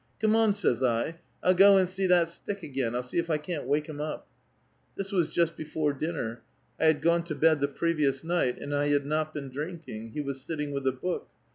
' Come on,' says I, ' I'll go and see that stick again ; I'll see if I can't wake him up.* This was just t^efore dinner. 1 had gone to bed the previous night, and I ^ad not been drinking ; he was sitting with a book.